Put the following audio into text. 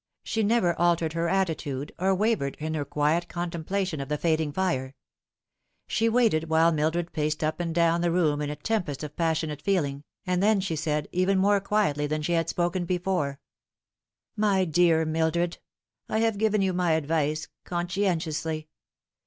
She never altered her attitude, or wavered in her quiet con templation of the fading fire. She waited while Mildred paced up ar.i down the room in a tempest of passionate feeling, and then she said, even more quietly than she had spoken before, "My dear Mildred, I have given you my advice, conscien tiously.